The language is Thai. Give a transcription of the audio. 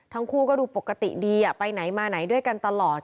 ทั้งคู่ก็ดูปกติดีไปไหนมาไหนด้วยกันตลอด